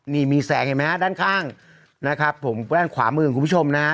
นี่มีแสงเห็นไหมฮะด้านข้างนะครับผมด้านขวามือของคุณผู้ชมนะฮะ